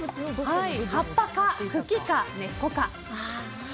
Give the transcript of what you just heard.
葉っぱか、茎か、根っこか。